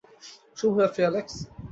শুভ রাত্রি, অ্যালেক্স।